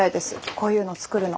こういうの作るの。